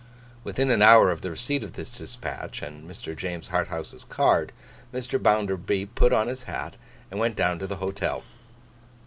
Within an hour of the receipt of this dispatch and Mr. James Harthouse's card, Mr. Bounderby put on his hat and went down to the Hotel.